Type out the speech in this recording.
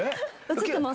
写ってます。